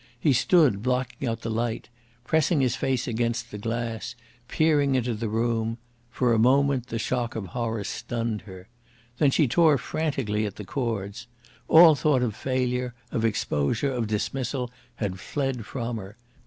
He stood blocking out the light, pressing his face against the glass, peering into the room. For a moment the shock of horror stunned her. Then she tore frantically at the cords. All thought of failure, of exposure, of dismissal had fled from her.